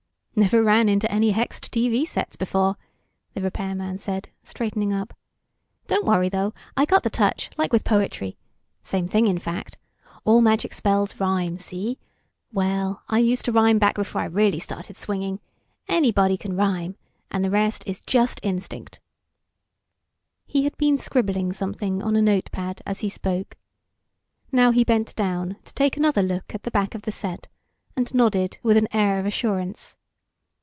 "Never ran into any hexed TV sets before," the repairman said, straightening up. "Don't worry, though. I got the touch, like with poetry. Same thing, in fact. All magic spells rhyme, see? Well, I used to rhyme, back before I really started swinging. Anybody can rhyme. And the rest is just instinct." He had been scribbling something on a notepad, as he spoke. Now he bent down, to take another look at the back of the set, and nodded with an air of assurance.